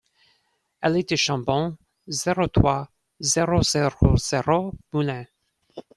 Allée du Chambon, zéro trois, zéro zéro zéro Moulins